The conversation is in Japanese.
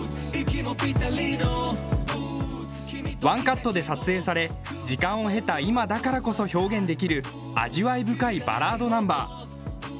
ワンカットで撮影され、時間を経た今だからこそ表現できる味わい深いバラードナンバー。